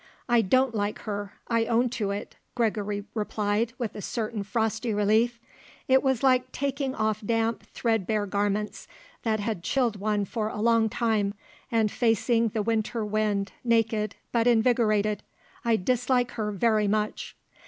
"I don't like her. I own to it," Gregory replied with a certain frosty relief. It was like taking off damp, threadbare garments that had chilled one for a long time and facing the winter wind, naked, but invigorated. "I dislike her very much."